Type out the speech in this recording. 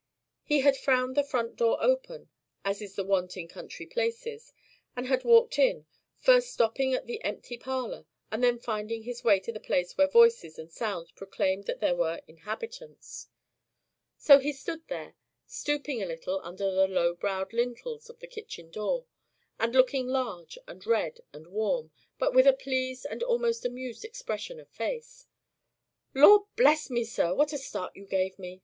He had found the front door open, as is the wont in country places, and had walked in; first stopping at the empty parlor, and then finding his way to the place where voices and sounds proclaimed that there were inhabitants. So he stood there, stooping a little under the low browed lintels of the kitchen door, and looking large, and red, and warm, but with a pleased and almost amused expression of face. "Lord bless me, sir! what a start you gave me!"